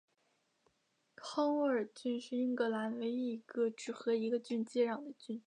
康沃尔郡是英格兰唯一一个只和一个郡接壤的郡。